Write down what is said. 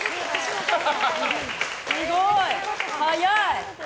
すごい！早い！